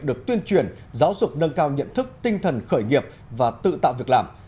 được tuyên truyền giáo dục nâng cao nhận thức tinh thần khởi nghiệp và tự tạo việc làm